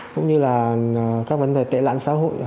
cũng như là các vấn đề tệ lạn xã hội